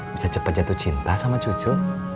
bisa cepat jatuh cinta sama cucu